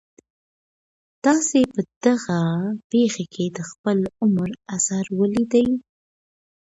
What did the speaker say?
تاسي په دغه پېښي کي د خپل عمر اثر ولیدی؟